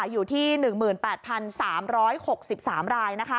อยู่ที่๑๘๓๖๓ราย